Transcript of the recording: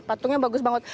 patungnya bagus banget